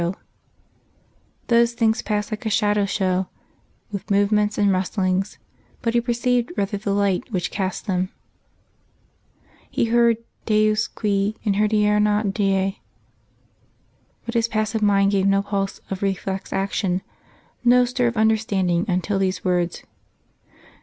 _ those things passed like a shadow show, with movements and rustlings, but he perceived rather the light which cast them. He heard Deus qui in hodierna die ... but his passive mind gave no pulse of reflex action, no stir of understanding until these words.